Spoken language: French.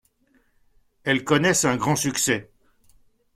Elles connaissent un grand succès.